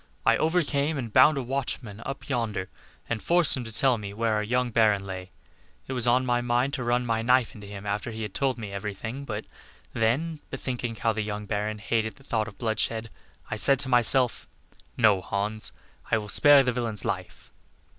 I overcame and bound a watchman up yonder, and forced him to tell me where our young Baron lay. It was on my mind to run my knife into him after he had told me every thing, but then, bethinking how the young Baron hated the thought of bloodshed, I said to myself, 'No, Hans, I will spare the villain's life.